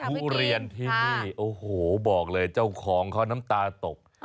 ทุเรียนที่นี่โอ้โหบอกเลยเจ้าของเขาน้ำตาตก